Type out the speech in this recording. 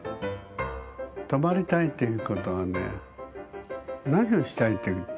泊まりたいということはね何をしたいって。